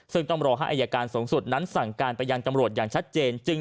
ซึ่งต้องรอให้อายการสูงสุดนั้นสั่งการไปยังตำรวจอย่างชัดเจน